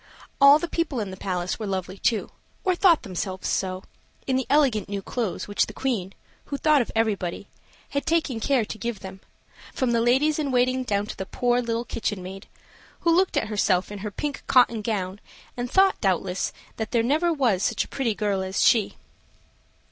All the people in the palace were lovely too or thought themselves so in the elegant new clothes which the Queen, who thought of everybody, had taken care to give them, from the ladies in waiting down to the poor little kitchen maid, who looked at herself in her pink cotton gown, and thought, doubtless, that there never was such a pretty girl as she.